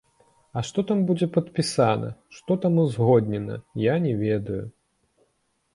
А што будзе падпісана, што там узгоднена, я не ведаю.